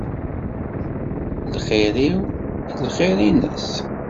Lxir-iw, lxir-ines.